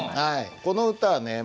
この歌はね